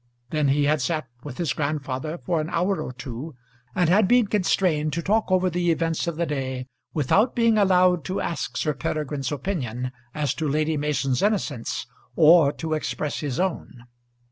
Then he had sat with his grandfather for an hour or two, and had been constrained to talk over the events of the day without being allowed to ask Sir Peregrine's opinion as to Lady Mason's innocence or to express his own.